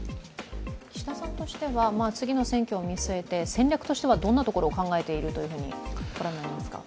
岸田さんとしては次の選挙を見据えて戦略としてはどんなところを考えていると思いますか？